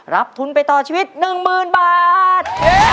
รับทุนไปต่อชีวิต๑๐๐๐บาท